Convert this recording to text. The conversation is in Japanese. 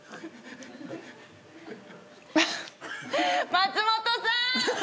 松本さーん！